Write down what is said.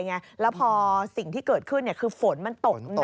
แล้วพอสิ่งที่เกิดขึ้นคือฝนมันตกหนัก